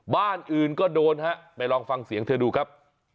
บ้านอื่นก็โดนฮะไปลองฟังเสียงเธอดูครับ